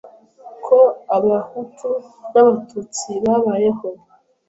ko abahutu n’abatutsi babayeho